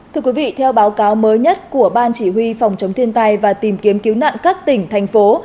thưa quý vị theo báo cáo mới nhất của ban chỉ huy phòng chống thiên tai và tìm kiếm cứu nạn các tỉnh thành phố